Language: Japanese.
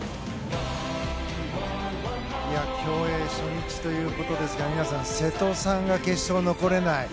競泳初日ということですが綾さん、瀬戸さんが決勝残れない。